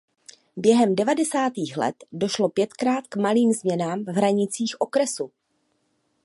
Během devadesátých let došlo pětkrát k malým změnám v hranicích okresu.